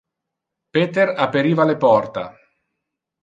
Peter aperiva le porta.